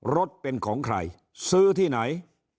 รถเป็นของใครซื้อที่ไหน